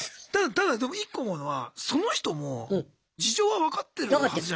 ただでも１個思うのはその人も事情は分かってるはずじゃないですか。